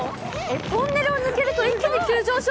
トンネルを抜けると一気に急上昇。